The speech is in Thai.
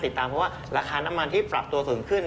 ติดตามเพราะว่าราคาน้ำมันที่ปรับตัวสูงขึ้น